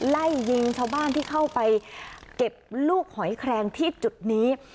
ไล่ยิงชาวบ้านที่เข้าไปเก็บลูกหอยแครงที่จุดนี้